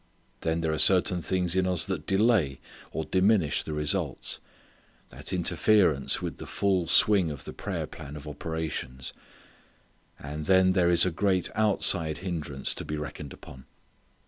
Then there are certain things in us that delay, or diminish the results; that interfere with the full swing of the prayer plan of operations. And then there is a great outside hindrance to be reckoned upon.